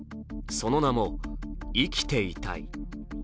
その名も「生きていたい」。